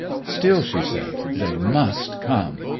'Still,' she said, 'they must come!